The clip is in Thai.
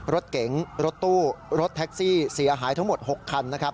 รถเก๋งรถตู้รถแท็กซี่เสียหายทั้งหมด๖คันนะครับ